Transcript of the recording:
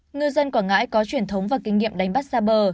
ngư dân quảng ngãi có truyền thống và kinh nghiệm đánh bắt xa bờ